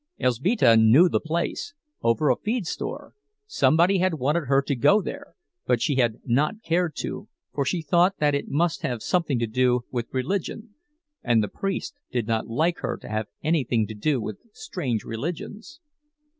Elzbieta knew the place, over a feed store; somebody had wanted her to go there, but she had not cared to, for she thought that it must have something to do with religion, and the priest did not like her to have anything to do with strange religions.